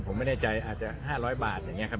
ผมไม่แน่ใจอาจจะ๕๐๐บาทอย่างนี้ครับ